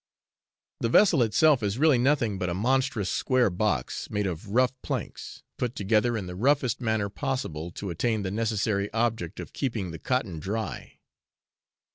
The vessel itself is really nothing but a monstrous square box, made of rough planks, put together in the roughest manner possible to attain the necessary object of keeping the cotton dry.